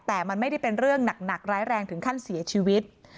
แต่มันไม่ได้เป็นเรื่องหนักร้ายแรงถึงขั้นเสียชีวิต